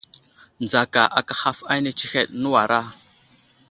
Nzaka aka haf ane tsəheɗ, nəwuray !